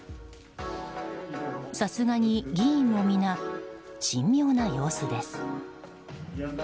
さすがに議員も皆、神妙な様子です。